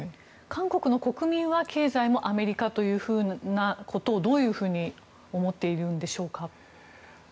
韓国の国民は経済もアメリカというふうなことをどういうふうに思っているんでしょうか？